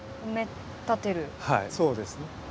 はいそうですね。